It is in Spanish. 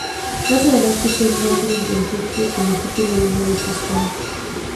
Más adelante usó el nombre del buque como título de uno de sus tangos.